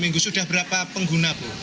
dua minggu sudah berapa pengguna ibu